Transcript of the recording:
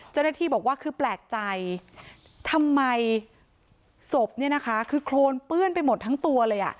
จะได้ที่บอกว่าคือแปลกใจทำไมศพคือโครนเปื้อนไปหมดทั้งตัวเลย